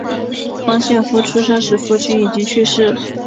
方献夫出生时父亲已经去世。